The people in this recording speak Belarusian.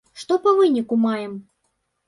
Што па выніку маем?